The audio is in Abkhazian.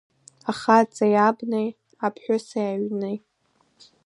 Ахаҵеи абнеи, аԥҳәыси аҩни.